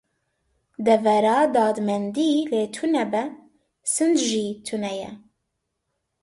Devera dadmendî lê tune be, sinc jî tune ye.